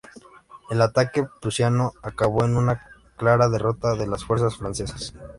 El ataque prusiano acabó en una clara derrota de las fuerzas francesas.